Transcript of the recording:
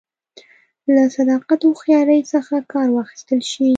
له صداقت او هوښیارۍ څخه کار واخیستل شي